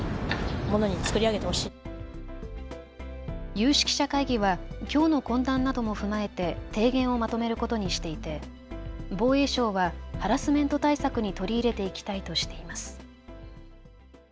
有識者会議はきょうの懇談なども踏まえて提言をまとめることにしていて防衛省はハラスメント対策に取り入れていきたいとしています。